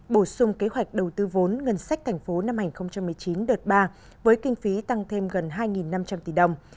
bổ sung kế hoạch đầu tư vốn ngân sách thành phố năm hai nghìn một mươi chín đợt ba với kinh phí tăng thêm gần hai năm trăm linh tỷ đồng